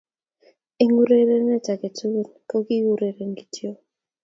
Eng urerenet age tugul kokiureren kityo